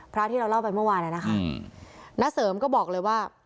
พระที่เราเล่าไปเมื่อวานอ่ะนะคะณเสริมก็บอกเลยว่า